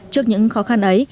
trước những khó khăn ấy